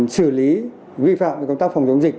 xử lý vi phạm công tác phòng chống dịch